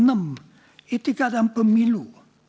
etika dan pemilu